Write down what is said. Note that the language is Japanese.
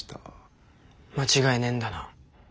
間違いねえんだな？